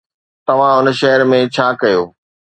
توهان هن شهر ۾ ڇا ڪيو؟